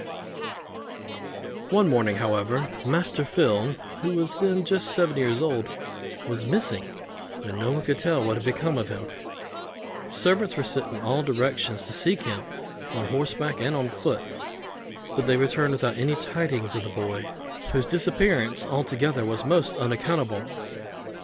One morning, however, Master Phil, who was then just seven years old, was missing, and no one could tell what had become of him: servants were sent in all directions to seek him, on horseback and on foot, but they returned without any tidings of the boy, whose disappearance altogether was most unaccountable.